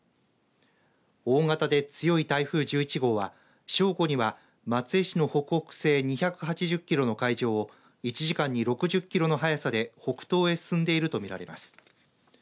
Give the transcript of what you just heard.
大型で強い台風１１号は正午には松江市の北北西２８０キロの海上を１時間に６０キロの速さで北東へ進んでいると見られます。